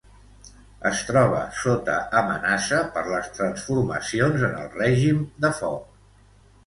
Es troba sota amenaça per les transformacions en el règim de foc.